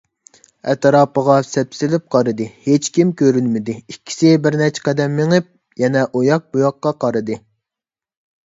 ئەتراپقا سەپسېلىپ قارىدى، ھېچكىم كۆرۈنمىدى، ئىككىسى بىرنەچچە قەدەم مېڭىپ، يەنە ئۇياق - بۇياققا قارىدى.